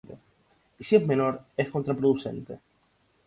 Y si es menor, es contraproducente.